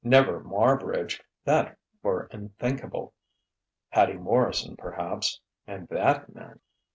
Never Marbridge: that were unthinkable! Hattie Morrison, perhaps.... And that meant....